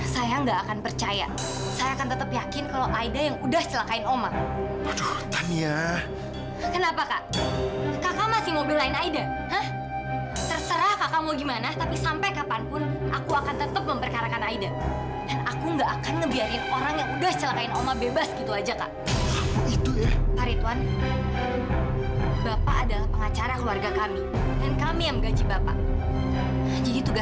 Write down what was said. sampai jumpa di video selanjutnya